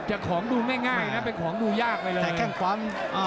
แต่ของดูง่ายนะเป็นของดูยากเลยเลย